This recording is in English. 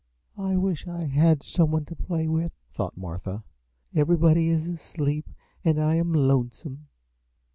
"I wish I had someone to play with," thought Martha. "Everybody is asleep and I am lonesome."